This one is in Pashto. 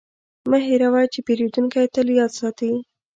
مه هېروه چې پیرودونکی تل یاد ساتي.